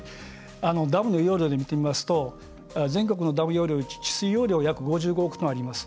ダムの容量で見てみますと全国のダム容量治水容量、約５５億トンあります。